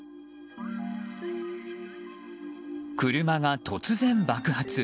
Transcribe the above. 車が突然爆発。